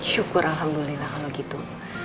syukur alhamdulillah kalau gitu